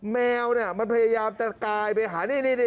แมวมันพยายามตะกายไปหา